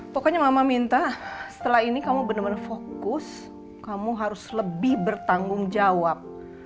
pokoknya mama minta setelah ini kamu benar benar fokus kamu harus lebih bertanggung jawab